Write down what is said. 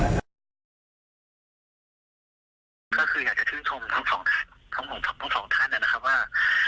ก็คืออยากจะชื่นชมทั้งสองท่านนะครับว่า